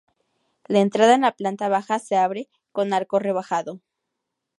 La entrada en la planta baja se abre con arco rebajado.